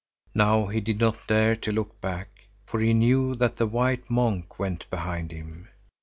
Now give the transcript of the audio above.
Now he did not dare to look back, for he knew that the white monk went behind him.